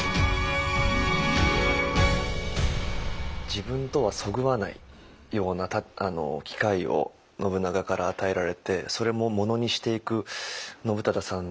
自分とはそぐわないような機会を信長から与えられてそれもものにしていく信忠さん